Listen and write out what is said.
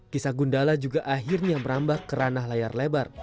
kisah gundala juga akhirnya merambah ke ranah layar lebar